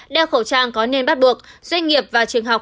đeo khẩu trang có nên bắt buộc